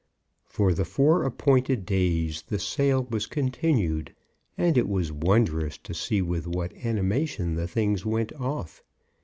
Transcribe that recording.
For the four appointed days the sale was continued, and it was wondrous to see with what animation the things went off.